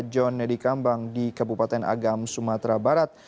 john nedi kambang di kabupaten agam sumatera barat